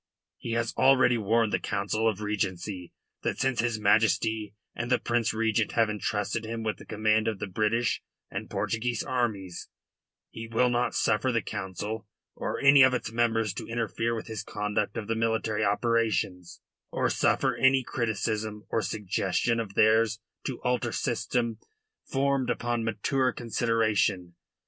He has already warned the Council of Regency that, since his Majesty and the Prince Regent have entrusted him with the command of the British and Portuguese armies, he will not suffer the Council or any of its members to interfere with his conduct of the military operations, or suffer any criticism or suggestion of theirs to alter system formed upon mature consideration.